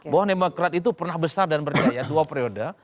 bahwa demokrat itu pernah besar dan berjaya dua periode